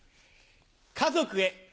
家族へ。